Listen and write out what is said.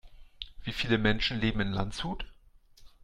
Wie viele Menschen leben in Landshut?